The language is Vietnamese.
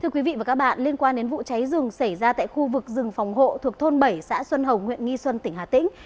thưa quý vị và các bạn liên quan đến vụ cháy rừng xảy ra tại khu vực rừng phòng hộ thuộc thôn bảy xã xuân hồng huyện nghi xuân tỉnh hà tĩnh